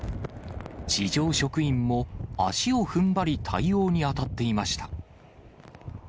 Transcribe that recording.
地上職員も足をふんばり、対応に当たっていました。